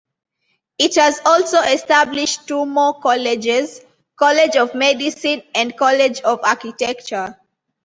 It has also established two more colleges---College of Medicine and College of Architecture.